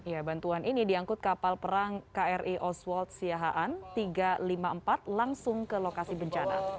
ya bantuan ini diangkut kapal perang kri oswald siahaan tiga ratus lima puluh empat langsung ke lokasi bencana